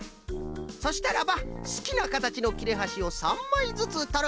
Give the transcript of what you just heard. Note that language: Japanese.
そしたらばすきなかたちのきれはしを３まいずつとるんじゃ。